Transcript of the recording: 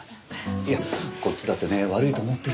いやこっちだってね悪いと思ってるんですよ。